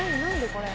これ。